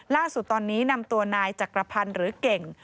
ล่าสุดตอนนี้นำตัวนายจักรพันธ์หรือเก่ง